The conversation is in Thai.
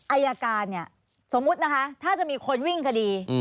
อายการเนี่ยสมมุตินะคะถ้าจะมีคนวิ่งคดี